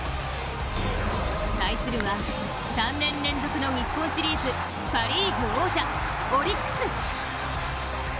対するは３年連続の日本シリーズパ・リーグ王者、オリックス。